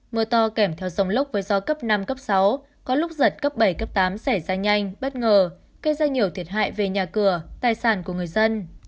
mưa to kèm theo dòng lốc với gió cấp năm cấp sáu có lúc giật cấp bảy cấp tám xảy ra nhanh bất ngờ gây ra nhiều thiệt hại về nhà cửa tài sản của người dân